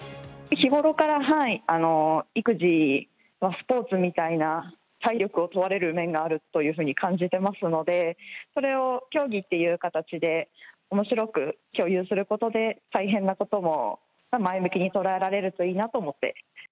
日頃から、育児はスポーツみたいな体力を問われる面があると感じてますので、それを競技っていう形でおもしろく共有することで、大変なことも前向きに捉えられるといいなと思って。